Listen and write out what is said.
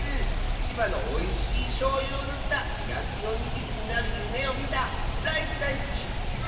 千葉のおいしいしょうゆをぬったやきおにぎりになるゆめをみたライスだいすきコシコシコッシーです！